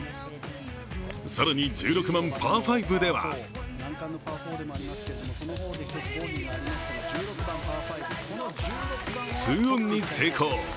更に１６番・パー５では２オンに成功。